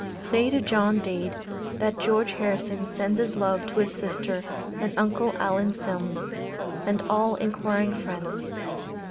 Say to John Dade, that George Harrison sends his love to his sister and Uncle Allen Sims, and all inquiring friends.